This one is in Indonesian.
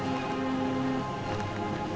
sampai hari ini